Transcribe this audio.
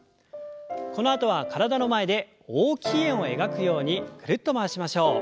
このあとは体の前で大きい円を描くようにぐるっと回しましょう。